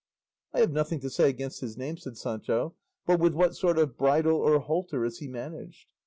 "I have nothing to say against his name," said Sancho; "but with what sort of bridle or halter is he managed?"